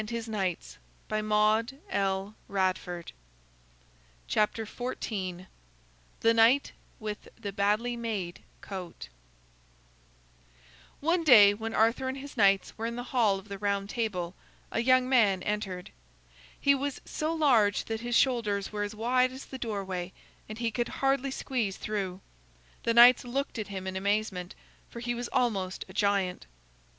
[Illustration: The Holy Grail] THE KNIGHT WITH the BADLY MADE COAT One day when Arthur and his knights were in the hall of the Round Table, a young man entered. He was so large that his shoulders were as wide as the doorway, and he could hardly squeeze through. The knights looked at him in amazement, for he was almost a giant.